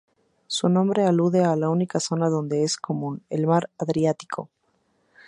Su nombre alude a la única zona donde es común, el mar Adriático.